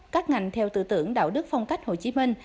các ngành theo tư tưởng đạo đức phong cách hồ chí minh